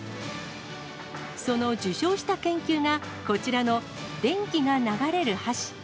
その受賞した研究がこちらの電気が流れる箸。